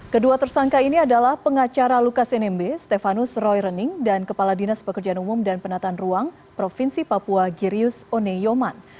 kedua tersangka ini adalah pengacara lukas nmb stefanus roy rening dan kepala dinas pekerjaan umum dan penataan ruang provinsi papua girius oneyoman